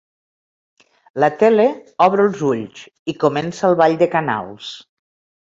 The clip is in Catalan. La tele obre els ulls i comença el ball de canals.